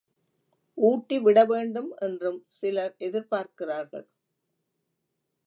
ஊட்டி விடவேண்டும் என்றும் சிலர் எதிர்பார்க்கிறார்கள்.